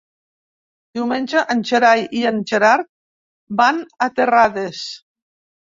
Diumenge en Gerai i en Gerard van a Terrades.